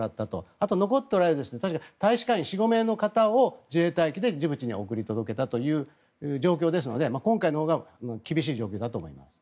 あと残っておられた大使館員４５名の方を自衛隊機でジブチに送り届けたという状況ですので今回のほうが厳しい状況だと思います。